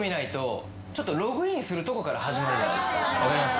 分かります？